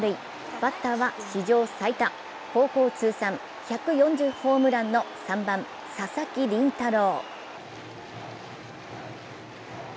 バッターは史上最多、高校通算１４０ホームランの３番・佐々木麟太郎。